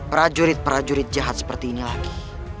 prajurit prajurit jahat seperti ini lagi